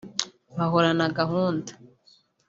bahorana gahunda